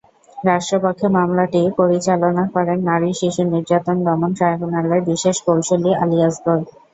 রাষ্ট্রপক্ষে মামলাটি পরিচালনা করেন নারী শিশু নির্যাতন দমন ট্রাইব্যুনালের বিশেষ কৌঁসুলি আলী আজগর।